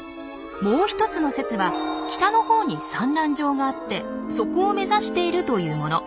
もう一つの説は北のほうに産卵場があってそこを目指しているというもの。